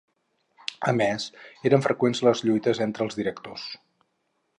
A més, eren freqüents les lluites entre els directors.